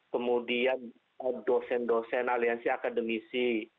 kemudian dosen dosen aliansi akademisi